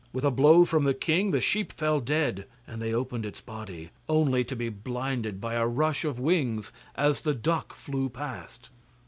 With a blow from the king, the sheep fell dead, and they opened its body, only to be blinded by a rush of wings as the duck flew past.